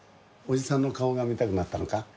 おじさんの顔が見たくなったのか？